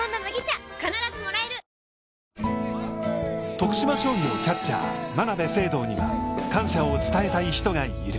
徳島商業キャッチャー、真鍋成憧には感謝を伝えたい人がいる。